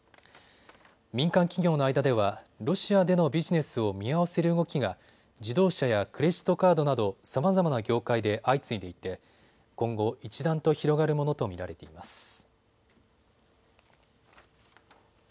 民間企業の間ではロシアでのビジネスを見合わせる動きが自動車やクレジットカードなどさまざまな業界で相次いでいて今後、一段と広がるものと見られています。